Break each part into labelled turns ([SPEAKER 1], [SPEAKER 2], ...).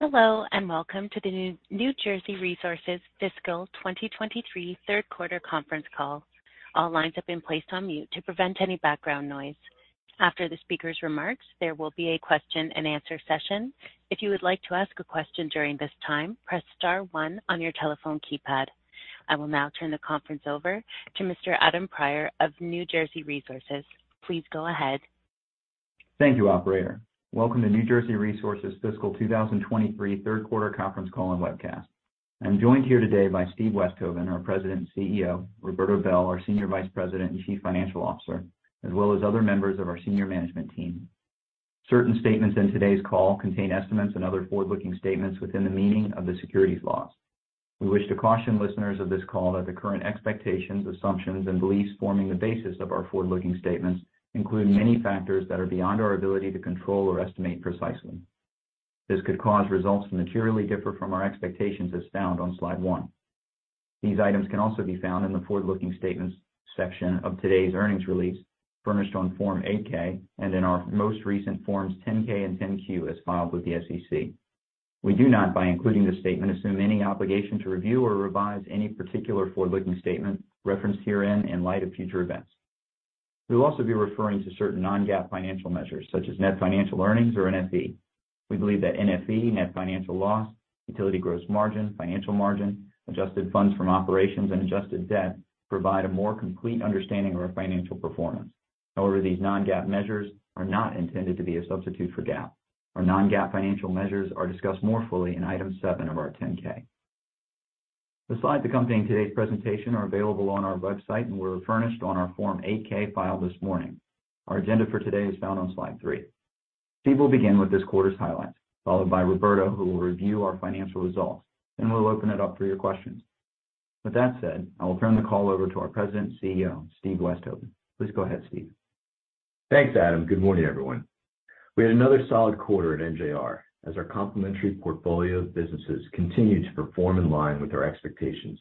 [SPEAKER 1] Hello, and welcome to the New Jersey Resources Fiscal 2023 third quarter conference call. All lines have been placed on mute to prevent any background noise. After the speaker's remarks, there will be a question and answer session. If you would like to ask a question during this time, press star one on your telephone keypad. I will now turn the conference over to Mr. Adam Prior of New Jersey Resources. Please go ahead.
[SPEAKER 2] Thank you, operator. Welcome to New Jersey Resources fiscal 2023 third quarter conference call and webcast. I'm joined here today by Stephen Westhoven, our President and CEO, Roberto Bel, our Senior Vice President and Chief Financial Officer, as well as other members of our senior management team. Certain statements in today's call contain estimates and other forward-looking statements within the meaning of the securities laws. We wish to caution listeners of this call that the current expectations, assumptions, and beliefs forming the basis of our forward-looking statements include many factors that are beyond our ability to control or estimate precisely. This could cause results to materially differ from our expectations, as found on slide 1. These items can also be found in the forward-looking statements section of today's earnings release, furnished on Form 8-K and in our most recent Form 10-K and Form 10-Q, as filed with the SEC. We do not, by including this statement, assume any obligation to review or revise any particular forward-looking statement referenced herein in light of future events. We'll also be referring to certain non-GAAP financial measures, such as net financial earnings, or NFE. We believe that NFE, net financial loss, utility gross margin, financial margin, adjusted funds from operations, and adjusted debt provide a more complete understanding of our financial performance. However, these non-GAAP measures are not intended to be a substitute for GAAP. Our non-GAAP financial measures are discussed more fully in Item 7 of our Form 10-K. The slides accompanying today's presentation are available on our website and were furnished on our Form 8-K filed this morning. Our agenda for today is found on slide 3. Stephen will begin with this quarter's highlights, followed by Roberto, who will review our financial results, then we'll open it up for your questions. With that said, I will turn the call over to our President and CEO, Stephen Westhoven. Please go ahead, Stephen.
[SPEAKER 3] Thanks, Adam. Good morning, everyone. We had another solid quarter at NJR as our complementary portfolio of businesses continued to perform in line with our expectations.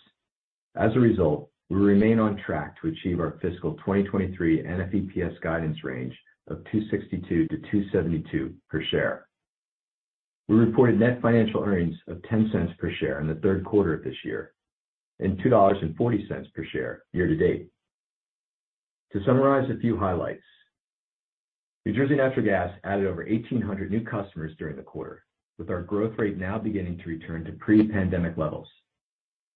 [SPEAKER 3] We remain on track to achieve our fiscal 2023 NFEPS guidance range of $2.62-$2.72 per share. We reported net financial earnings of $0.10 per share in the third quarter of this year and $2.40 per share year to date. To summarize a few highlights, New Jersey Natural Gas added over 1,800 new customers during the quarter, with our growth rate now beginning to return to pre-pandemic levels.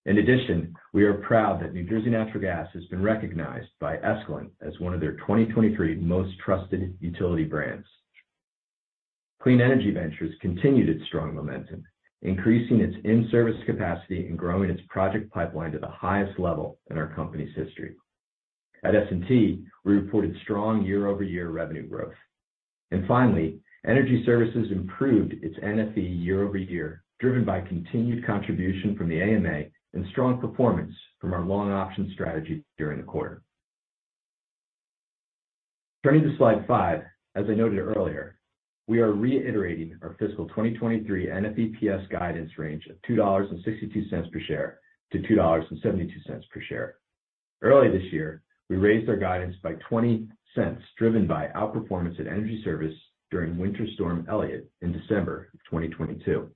[SPEAKER 3] We are proud that New Jersey Natural Gas has been recognized by Escalent as one of their 2023 most trusted utility brands. Clean Energy Ventures continued its strong momentum, increasing its in-service capacity and growing its project pipeline to the highest level in our company's history. At S&T, we reported strong year-over-year revenue growth. Finally, Energy Services improved its NFE year-over-year, driven by continued contribution from the AMA and strong performance from our long option strategy during the quarter. Turning to slide five, as I noted earlier, we are reiterating our fiscal 2023 NFEPS guidance range of $2.62 per share-$2.72 per share. Earlier this year, we raised our guidance by $0.20, driven by outperformance at Energy Services during Winter Storm Elliott in December 2022.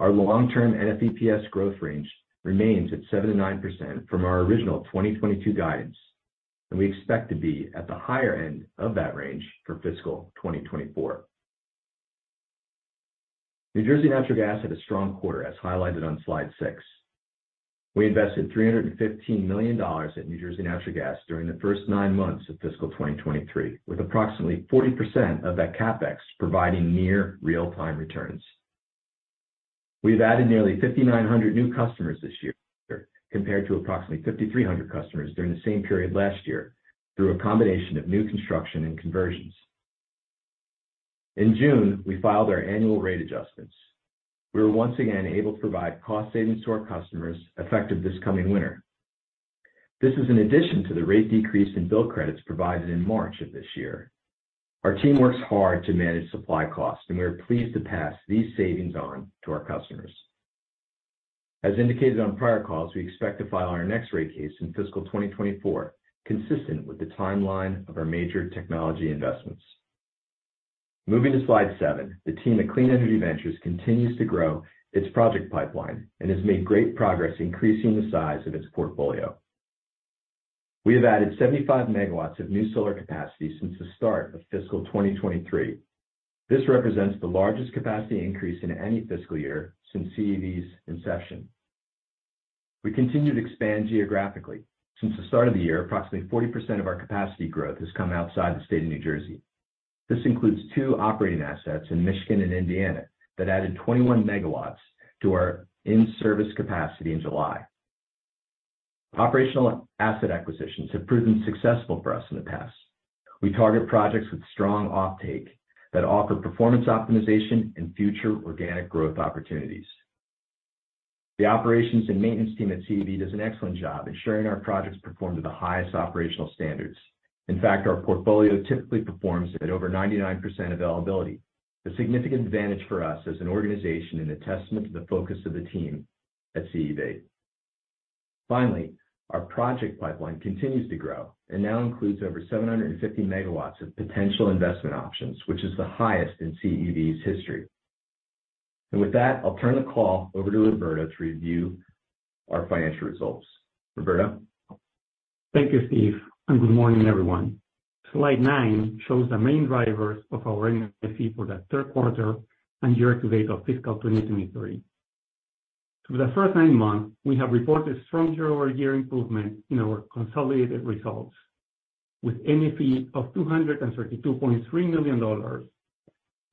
[SPEAKER 3] Our long-term NFEPS growth range remains at 7%-9% from our original 2022 guidance, and we expect to be at the higher end of that range for fiscal 2024. New Jersey Natural Gas had a strong quarter, as highlighted on slide 6. We invested $315 million at New Jersey Natural Gas during the first nine months of fiscal 2023, with approximately 40% of that CapEx providing near real-time returns. We've added nearly 5,900 new customers this year compared to approximately 5,300 customers during the same period last year, through a combination of new construction and conversions. In June, we filed our annual rate adjustments. We were once again able to provide cost savings to our customers, effective this coming winter. This is in addition to the rate decrease in bill credits provided in March of this year. Our team works hard to manage supply costs, and we are pleased to pass these savings on to our customers. As indicated on prior calls, we expect to file our next rate case in fiscal 2024, consistent with the timeline of our major technology investments. Moving to slide 7, the team at Clean Energy Ventures continues to grow its project pipeline and has made great progress increasing the size of its portfolio. We have added 75 MW of new solar capacity since the start of fiscal 2023. This represents the largest capacity increase in any fiscal year since CEV's inception. We continue to expand geographically. Since the start of the year, approximately 40% of our capacity growth has come outside the state of New Jersey. This includes two operating assets in Michigan and Indiana that added 21 MW to our in-service capacity in July. Operational asset acquisitions have proven successful for us in the past. We target projects with strong offtake that offer performance optimization and future organic growth opportunities. The operations and maintenance team at CEV does an excellent job ensuring our projects perform to the highest operational standards. In fact, our portfolio typically performs at over 99% availability, a significant advantage for us as an organization and a testament to the focus of the team at CEV. Finally, our project pipeline continues to grow and now includes over 750 MW of potential investment options, which is the highest in CEV's history. With that, I'll turn the call over to Roberto to review our financial results. Roberto?
[SPEAKER 4] Thank you, Stephen, and good morning, everyone. Slide nine shows the main drivers of our NFE for the third quarter and year-to-date of fiscal 2023. For the first nine months, we have reported strong year-over-year improvement in our consolidated results, with NFE of $232.3 million, or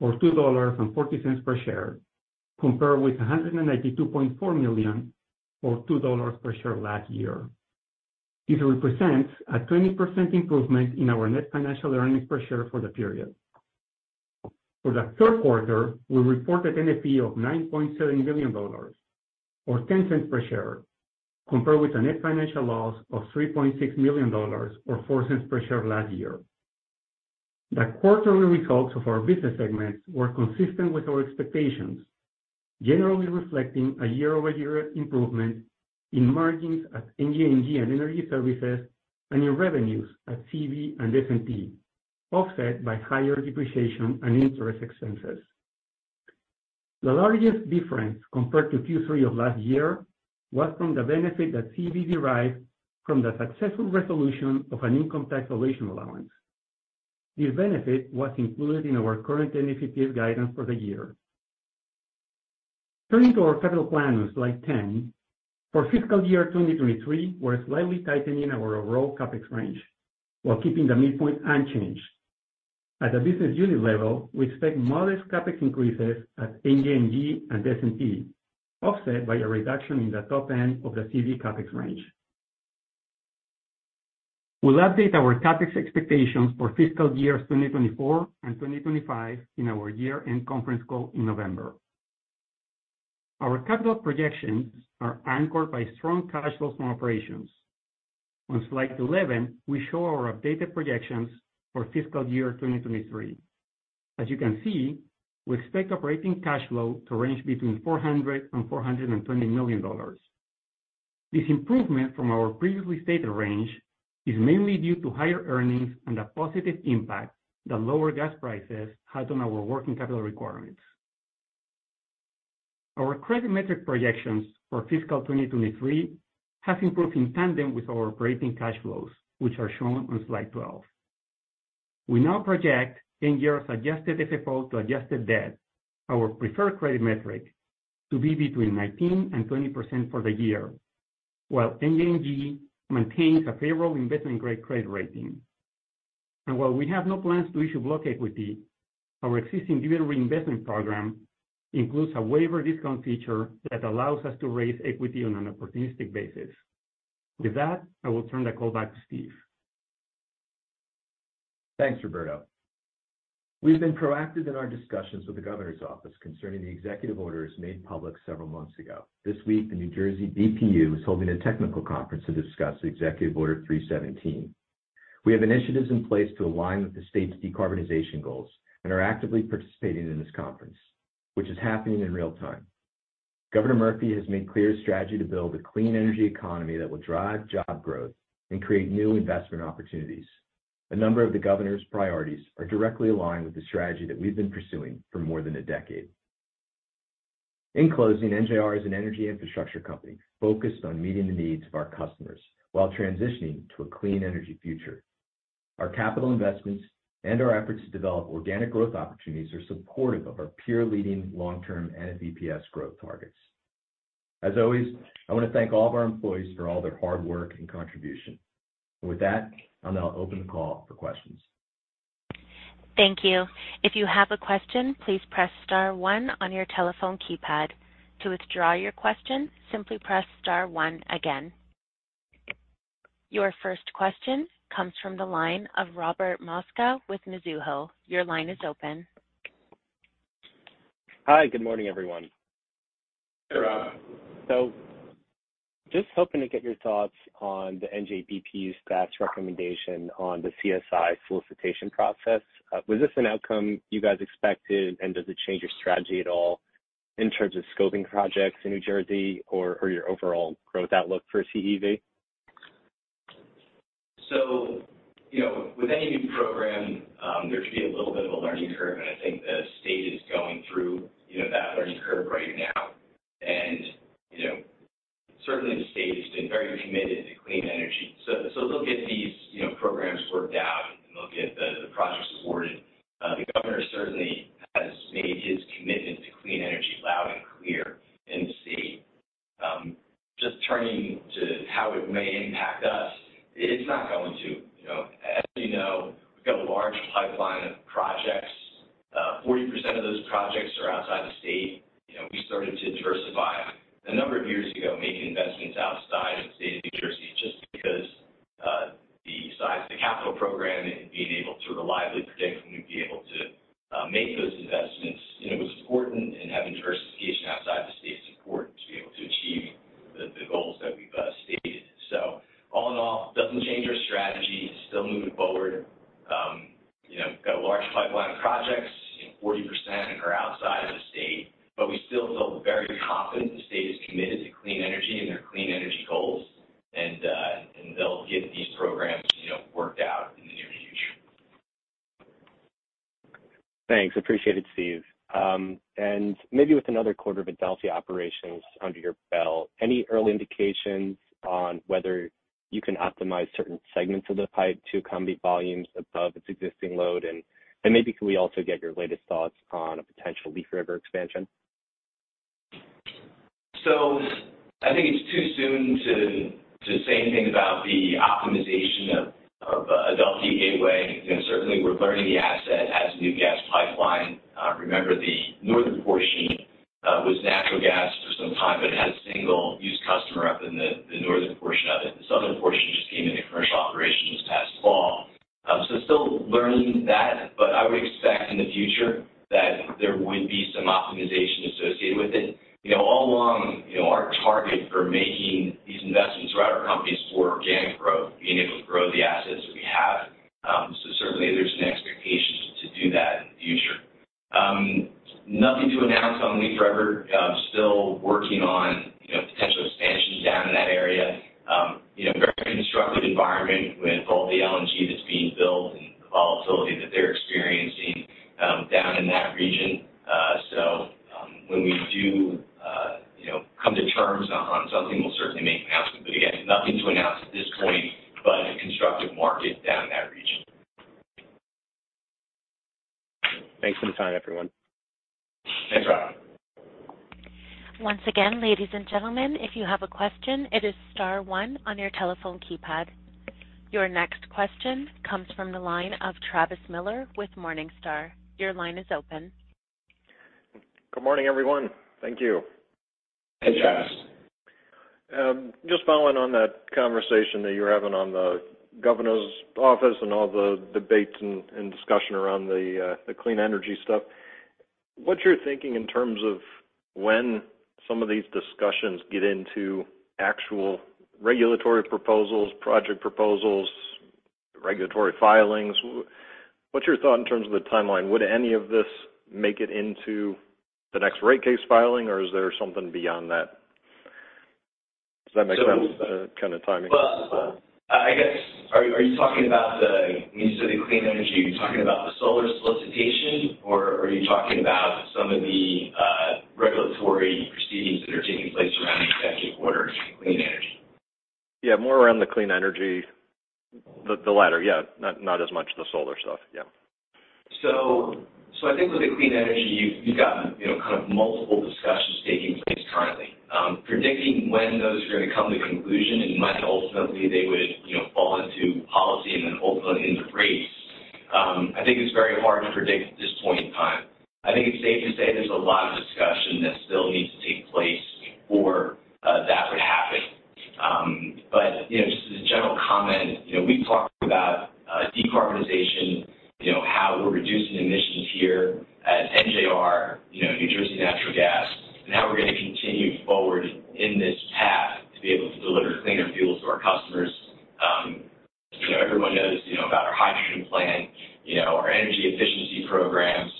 [SPEAKER 4] $2.40 per share, compared with $192.4 million, or $2 per share last year. This represents a 20% improvement in our net financial earnings per share for the period. For the third quarter, we reported NFE of $9.7 million, or $0.10 per share, compared with a net financial loss of $3.6 million or $0.04 per share last year. The quarterly results of our business segments were consistent with our expectations, generally reflecting a year-over-year improvement in margins at NJNG and Energy Services and in revenues at CEV and S&T, offset by higher depreciation and interest expenses. The largest difference compared to Q3 of last year was from the benefit that CEV derived from the successful resolution of an income tax valuation allowance. This benefit was included in our current NFE guidance for the year. Turning to our capital plan on slide 10, for fiscal year 2023, we're slightly tightening our overall CapEx range while keeping the midpoint unchanged. At a business unit level, we expect modest CapEx increases at NJNG and S&P, offset by a reduction in the top end of the CEV CapEx range. We'll update our CapEx expectations for fiscal years 2024 and 2025 in our year-end conference call in November. Our capital projections are anchored by strong cash flows from operations. On slide 11, we show our updated projections for fiscal year 2023. As you can see, we expect operating cash flow to range between $400 million and $420 million. This improvement from our previously stated range is mainly due to higher earnings and a positive impact that lower gas prices had on our working capital requirements. Our credit metric projections for fiscal 2023 have improved in tandem with our operating cash flows, which are shown on slide 12. We now project NJR's adjusted FFO to adjusted debt, our preferred credit metric, to be between 19%-20% for the year, while NJNG maintains a favorable investment-grade credit rating. While we have no plans to issue block equity, our existing dividend reinvestment program includes a waiver discount feature that allows us to raise equity on an opportunistic basis. With that, I will turn the call back to Stephen.
[SPEAKER 3] Thanks, Roberto. We've been proactive in our discussions with the governor's office concerning the executive orders made public several months ago. This week, the New Jersey BPU is holding a technical conference to discuss Executive Order No. 317. We have initiatives in place to align with the state's decarbonization goals and are actively participating in this conference, which is happening in real time. Governor Murphy has made clear his strategy to build a clean energy economy that will drive job growth and create new investment opportunities. A number of the governor's priorities are directly aligned with the strategy that we've been pursuing for more than a decade. In closing, NJR is an energy infrastructure company focused on meeting the needs of our customers while transitioning to a clean energy future. Our capital investments and our efforts to develop organic growth opportunities are supportive of our peer-leading long-term and EPS growth targets. As always, I want to thank all of our employees for all their hard work and contribution. With that, I'll now open the call for questions.
[SPEAKER 1] Thank you. If you have a question, please press star one on your telephone keypad. To withdraw your question, simply press star one again. Your first question comes from the line of Robert Mosca with Mizuho. Your line is open.
[SPEAKER 5] Hi, good morning, everyone.
[SPEAKER 3] Good morning.
[SPEAKER 5] Just hoping to get your thoughts on the NJBPU's staff recommendation on the CSI solicitation process. Was this an outcome you guys expected, and does it change your strategy at all in terms of scoping projects in New Jersey or, or your overall growth outlook for CEV?
[SPEAKER 3] You know, with any new program, there should be a little bit of a learning curve, and I think the state is going through, you know, that learning curve right now. You know, certainly the state has been very committed to clean energy. So they'll get these, you know, programs worked out, and they'll get the projects awarded. The Governor certainly has made his commitment to clean energy loud and clear in the state. Just turning to how it may impact us, it's not going to. You know, as you know, we've got a large pipeline of projects. 40% of those projects are outside the state. You know, we started to diversify a number of years ago, making investments outside of the state of New Jersey just because the size of the capital program and being able to reliably predict when we'd be able to make those investments. You know, it was important in having diversification outside the state. It's important to be able to achieve the, the goals that we've stated. All in all, it doesn't change our strategy, still moving forward. you know, got a large pipeline of projects, and 40% are outside of the state. But we still feel very confident the state is committed to clean energy and their clean energy goals, and, and they'll get these programs, you know, worked out in the near future.
[SPEAKER 5] Thanks. Appreciate it, Stephen. Maybe with another quarter of Adelphia operations under your belt, any early indications on whether you can optimize certain segments of the pipe to accommodate volumes above its existing load? Maybe can we also get your latest thoughts on a potential Leaf River expansion?
[SPEAKER 3] I think it's too soon to say anything about the optimization of Adelphia Gateway. You know, certainly we're learning the asset as a new gas pipeline. Remember, the northern portion was natural gas for some time, but it had a single use customer up in the northern portion of it. The southern portion just came into commercial operation this past fall. Still learning that, but I would expect in the future that there would be some optimization associated with it. You know, all along, you know, our target for making these investments throughout our company is for organic growth, being able to grow the assets that we have. Certainly there's an expectation to do that in the future. Nothing to announce on Leaf River. Still working on, you know, potential expansions down in that area. You know, very constructive environment with all the LNG that's being built and the volatility that they're experiencing, down in that region. When we do, you know, come to terms on, on something, we'll certainly make an announcement. Again, nothing to announce at this point, but a constructive market down in that region.
[SPEAKER 5] Thanks for the time, everyone.
[SPEAKER 3] Thanks, Rob.
[SPEAKER 1] Once again, ladies and gentlemen, if you have a question, it is star one on your telephone keypad. Your next question comes from the line of Travis Miller with Morningstar. Your line is open.
[SPEAKER 6] Good morning, everyone. Thank you.
[SPEAKER 3] Hey, Travis.
[SPEAKER 6] Just following on that conversation that you were having on the Governor's Office and all the debates and, and discussion around the clean energy stuff. What's your thinking in terms of when some of these discussions get into actual regulatory proposals, project proposals, regulatory filings? What's your thought in terms of the timeline? Would any of this make it into the next rate case filing, or is there something beyond that? Does that make sense, the kind of timing?
[SPEAKER 3] Well, I guess, are, are you talking about the New Jersey clean energy? Are you talking about the solar solicitation, or are you talking about some of the regulatory proceedings that are taking place around the second quarter of clean energy?
[SPEAKER 6] Yeah, more around the clean energy. The latter, yeah. Not as much the solar stuff. Yeah.
[SPEAKER 3] I think with the clean energy, you've, you've got, you know, kind of multiple discussions taking place currently. Predicting when those are going to come to conclusion, and when ultimately they would, you know, fall into policy and then ultimately into rates, I think it's very hard to predict at this point in time. I think it's safe to say there's a lot of discussion that still needs to take place before that would happen. You know, just as a general comment, you know, we've talked about decarbonization, you know, how we're reducing emissions here at NJR, you know, New Jersey Natural Gas, and how we're going to continue forward in this path to be able to deliver cleaner fuels to our customers. You know, everyone knows, you know, about our hydrogen plan, you know, our energy efficiency programs, and,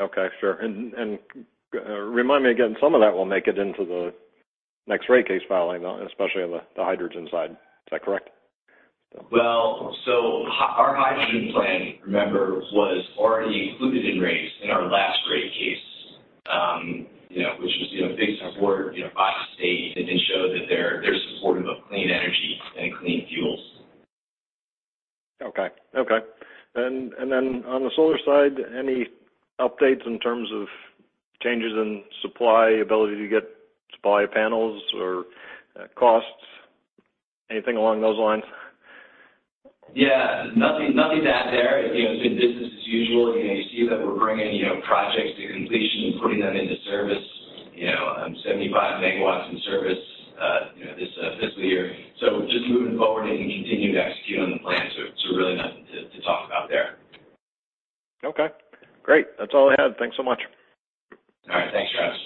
[SPEAKER 3] and certainly, you know, our thoughts about the future, that we're going to continue to press this forward. We feel good in this alignment with the Governor's, you know, stated goals and certainly the state, state goals as well. I think, you know, when those all will come to basically become part of regulation, you know, unpredictable at this point in time, but we look forward to it. I, I think we're going to align nicely, you know, with, you know, the future goals of the state.
[SPEAKER 6] Okay, sure. Remind me again, some of that will make it into the next rate case filing, though, especially on the hydrogen side. Is that correct?
[SPEAKER 3] Well, our hydrogen plan, remember, was already included in rates in our last rate case, you know, which was, you know, big support, you know, by the state, and it showed that they're, they're supportive of clean energy and clean fuels.
[SPEAKER 6] Okay, okay. And then on the solar side, any updates in terms of changes in supply, ability to get supply panels or, costs? Anything along those lines?
[SPEAKER 3] Yeah, nothing, nothing to add there. You know, it's business as usual. You know, you see that we're bringing, you know, projects to completion and putting them into service. You know, 75 megawatts in service, you know, this fiscal year. Just moving forward and continuing to execute on the plan. Really nothing to, to talk about there.
[SPEAKER 6] Okay, great. That's all I had. Thanks so much.
[SPEAKER 3] All right. Thanks, Travis.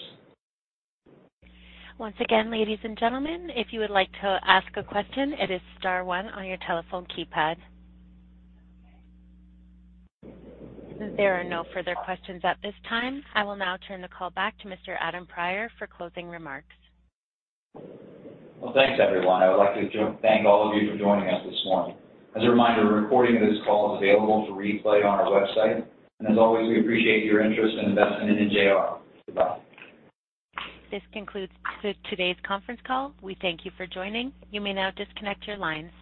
[SPEAKER 1] Once again, ladies and gentlemen, if you would like to ask a question, it is star one on your telephone keypad. There are no further questions at this time. I will now turn the call back to Mr. Adam Prior for closing remarks.
[SPEAKER 3] Well, thanks, everyone. I would like to thank all of you for joining us this morning. As a reminder, a recording of this call is available for replay on our website. As always, we appreciate your interest and investment in NJR. Goodbye.
[SPEAKER 1] This concludes today's conference call. We thank you for joining. You may now disconnect your lines.